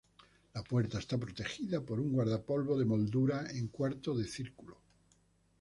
La puerta está protegida por un guardapolvo de moldura en cuarto de círculo.